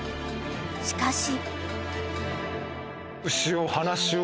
［しかし］